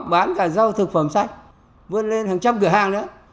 bán cả rau thực phẩm sạch vươn lên hàng trăm cửa hàng nữa